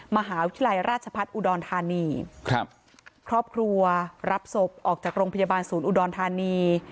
มหาวิทยาลัยราชพัฒน์อุดรธานีครับครอบครัวรับศพออกจากโรงพยาบาลศูนย์อุดรธานี